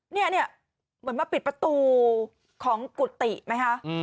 เนี่ยเหมือนมาปิดประตูของกุฏิไหมคะ